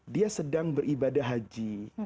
dia sedang beribadah haji